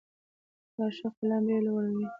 د ښه قلم بیه لوړه وي.